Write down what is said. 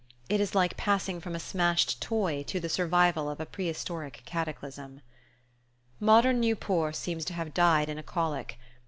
It is like passing from a smashed toy to the survival of a prehistoric cataclysm. Modern Nieuport seems to have died in a colic.